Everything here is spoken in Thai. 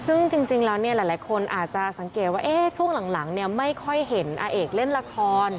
ซึ่งจริงแล้วเนี่ยหลายคนอาจจะสังเกตว่าช่วงหลังไม่ค่อยเห็นอาเอกเล่นละคร